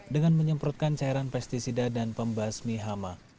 dengan menyemprotkan cairan pesticida dan pembasmi hama